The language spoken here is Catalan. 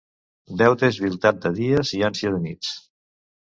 Deute és viltat de dies i ànsia de nits.